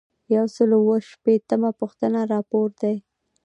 یو سل او اووه شپیتمه پوښتنه راپور دی.